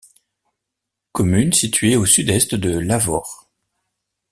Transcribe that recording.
Commune située au sud-est de Lavaur.